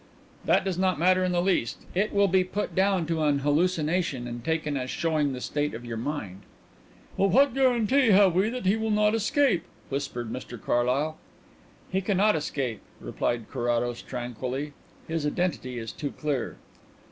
"That does not matter in the least. It will be put down to an hallucination and taken as showing the state of your mind." "But what guarantee have we that he will not escape?" whispered Mr Carlyle. "He cannot escape," replied Carrados tranquilly. "His identity is too clear."